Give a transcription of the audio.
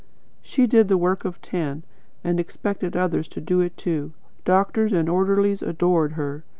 She did the work of ten, and expected others to do it too. Doctors and orderlies adored her.